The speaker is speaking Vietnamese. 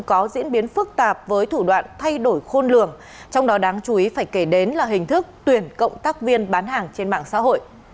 có diễn biến phức tạp với thủ đoạn thay đổi khôn lường trong đó đáng chú ý phải kể đến là hình thức tuyển cộng tác viên bán hàng trên mạng xã hội